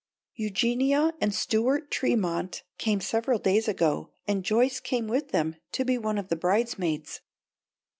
Eugenia and Stuart Tremont came several days ago, and Joyce came with them to be one of the bridesmaids.